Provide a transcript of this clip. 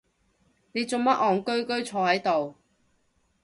你做乜戇居居坐係度？